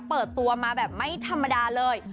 เปิดตัวมาแบบไม่ธรรมดาเลย